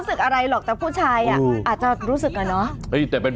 เออ